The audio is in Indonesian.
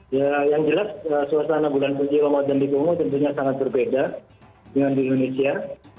ya yang jelas suasana bulan suci ramadan di kumo tentunya sangat berbeda dengan di indonesia